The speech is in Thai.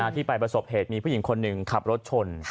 ที่ไปประสบเหตุมีผู้หญิงคนหนึ่งขับรถชน